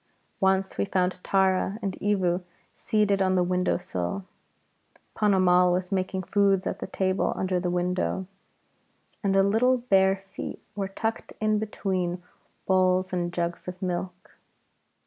Once we found Tara and Evu seated on the window sill. Ponnamal was making foods at the table under the window, and the little bare feet were tucked in between bowls and jugs of milk.